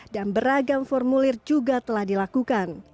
beragam formulir juga telah dilakukan